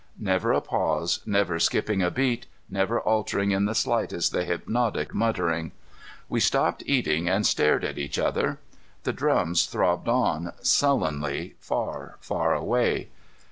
Never a pause, never skipping a beat, never altering in the slightest the hypnotic muttering. We stopped eating and stared at each other. The drums throbbed on, sullenly, far, far away.